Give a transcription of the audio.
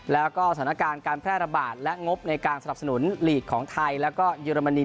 แล้วก็สถานการณ์การแพร่ระบาดและงบในการสนับสนุนลีกของไทยแล้วก็เยอรมนี